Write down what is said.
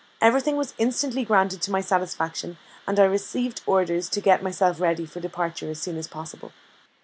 Everything was instantly granted to my satisfaction, and I received orders to get myself ready for departure as soon as possible.